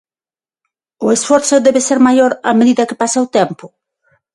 O esforzo debe ser maior a medida que pasa o tempo?